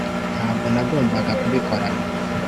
ntabwo nagombaga kubikora.